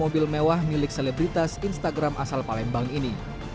mobil mewah milik selebritas instagram asal palembang ini